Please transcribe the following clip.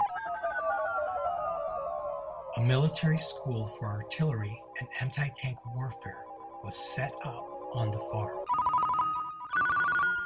A military school for artillery and anti-tank warfare was set up on the farm.